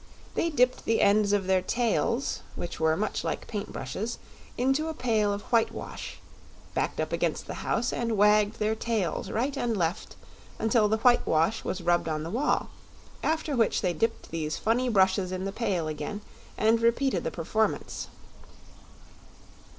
They dipped the ends of their tails, which were much like paint brushes, into a pail of whitewash, backed up against the house, and wagged their tails right and left until the whitewash was rubbed on the wall, after which they dipped these funny brushes in the pail again and repeated the performance.